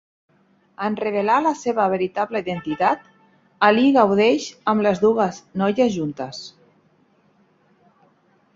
En revelar la seva veritable identitat, Ali gaudeix amb les dues noies juntes.